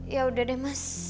ya udah deh mas